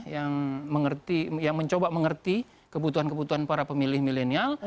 yang mencoba mengerti kebutuhan kebutuhan para pemilih milenial